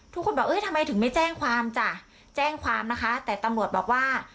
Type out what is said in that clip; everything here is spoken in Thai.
ทุกคนบอกเอ้ยทำไมถึงไม่แจ้งความจ้ะแจ้งความนะคะแต่ตำรวจบอกว่า